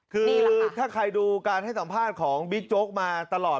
คือถ้าใครดูการให้สัมภาษณ์ของบิ๊กโจ๊กมาตลอด